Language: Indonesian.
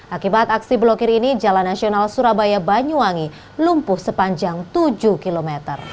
akibat aksi blokir ini jalan nasional surabaya banyuwangi lumpuh sepanjang tujuh km